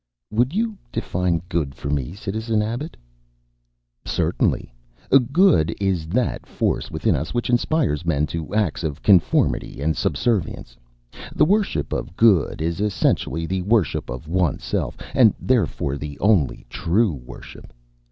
"Would you define Good for me, Citizen Abbot?" "Certainly. Good is that force within us which inspires men to acts of conformity and subservience. The worship of Good is essentially the worship of oneself, and therefore the only true worship.